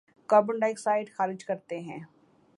carbon dioxide خارج کرتے ہیں